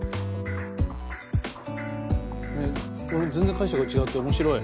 全然解釈が違って面白い。